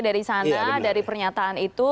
dari sana dari pernyataan itu